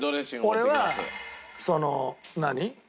俺はその何？